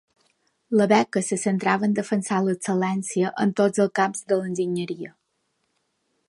La beca se centrava en defensar l'excel·lència en tots els camps de l'enginyeria.